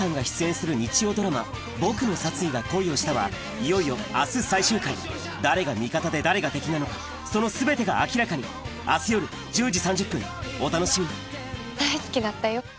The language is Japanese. いよいよ明日最終回誰が味方で誰が敵なのかその全てが明らかに明日夜１０時３０分お楽しみに大好きだったよ。